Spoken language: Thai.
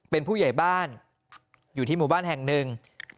เป็นผู้ใหญ่บ้านอยู่ที่หมู่บ้านแห่งหนึ่ง